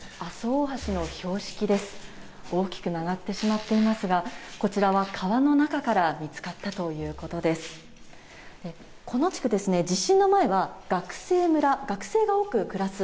大きく曲がってしまっていますが、こちらは川の中から見つかったということです。